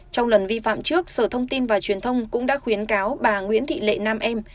trong lần vi phạm trước sở thông tin và truyền thông cũng đã khuyến cáo bà nguyễn thị lệ nam em